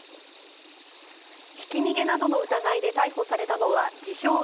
ひき逃げなどの疑いで逮捕されたのは自称